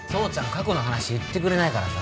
過去の話言ってくれないからさ